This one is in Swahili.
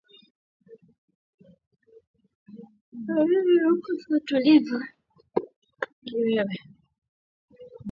Magonjwa yenye dalili za kukosa utulivu au kiwewe